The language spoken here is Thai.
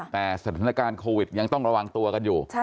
แต่สถานการณ์โควิดยังต้องระวังตัวกันอยู่